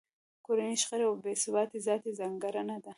کورنۍ شخړې او بې ثباتۍ ذاتي ځانګړنه ده.